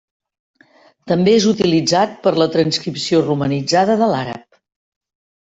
També és utilitzat per a la transcripció romanitzada de l'àrab.